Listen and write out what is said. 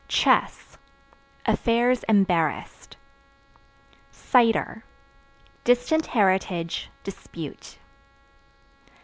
Chess Affairs embarrassed, Cider Distant heritage, dispute.